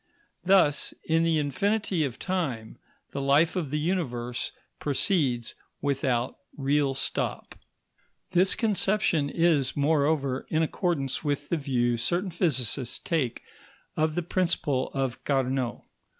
Thus, in the infinity of time, the life of the Universe proceeds without real stop. This conception is, moreover, in accordance with the view certain physicists take of the principle of Carnot.